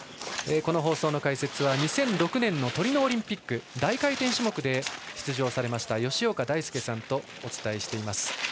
この放送の解説は２００６年のトリノオリンピック大回転種目で出場された吉岡大輔さんとお伝えしています。